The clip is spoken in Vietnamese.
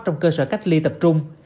trong cơ sở cách ly tập trung